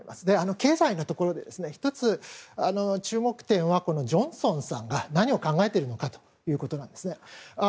経済のところでは、１つ注目点は、ジョンソンさんが何を考えているのかということなんですね。